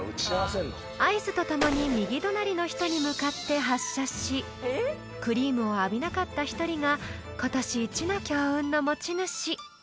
［合図とともに右隣の人に向かって発射しクリームを浴びなかった１人が今年イチの強運の持ち主］